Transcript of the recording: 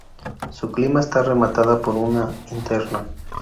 Su cima está rematada por una linterna.